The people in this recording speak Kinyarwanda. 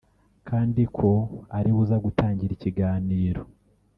kandi ko ari we uza gutangira ikiganiro